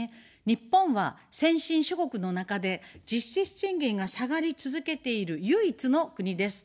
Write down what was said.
日本は、先進諸国の中で実質賃金が下がり続けている唯一の国です。